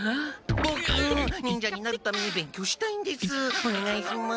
ボク忍者になるために勉強したいんです。